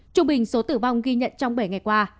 trung bình số tử vong ghi nhận trong bảy ngày qua